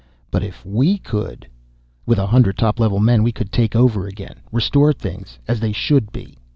But if we could " "With a hundred top level men, we could take over again, restore things as they should be!